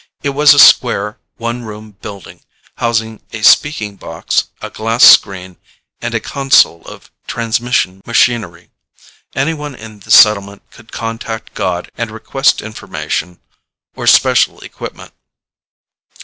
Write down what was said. It was a square, one room building, housing a speaking box, a glass screen and a console of transmission machinery. Anyone in the settlement could contact god and request information or special equipment.